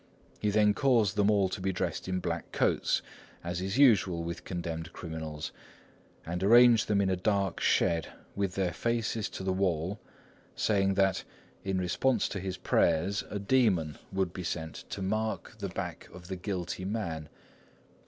He then caused them all to be dressed in black coats, as is usual with condemned criminals, and arranged them in a dark shed, with their faces to the wall, saying that, in response to his prayers, a demon would be sent to mark the back of the guilty man.